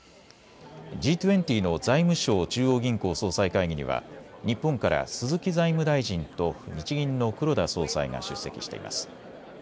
Ｇ２０の財務相・中央銀行総裁会議には日本から鈴木財務大臣と日銀の黒田総裁が出席しています。